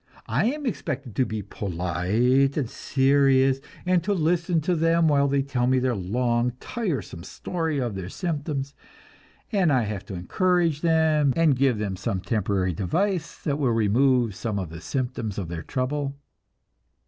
I am expected to be polite and serious, and to listen to them while they tell the long tiresome story of their symptoms, and I have to encourage them, and give them some temporary device that will remove some of the symptoms of their trouble."